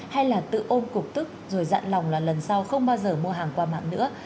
hay là tự ôm cục tức rồi dặn lòng là lần sau không bao giờ mua hàng qua mạng nữa